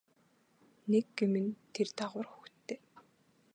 Нэг гэм нь тэр дагавар хүүхэдтэй.